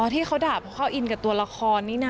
ที่เขาด่าเพราะเขาอินกับตัวละครนี่นะ